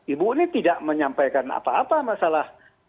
ibu ini tidak menyampaikan apa apa masalah hal halnya